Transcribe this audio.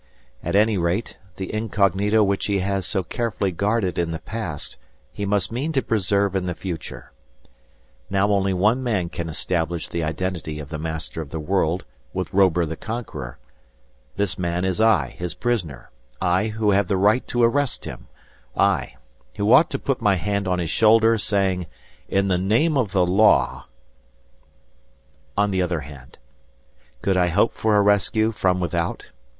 At any rate, the incognito which he has so carefully guarded in the past he must mean to preserve in the future. Now only one man can establish the identity of the Master of the World with Robur the Conqueror. This man is I his prisoner, I who have the right to arrest him, I, who ought to put my hand on his shoulder, saying, "In the Name of the Law—" On the other hand, could I hope for a rescue from without?